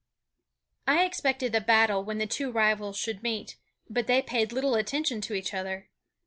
I expected a battle when the two rivals should meet; but they paid little attention to each other.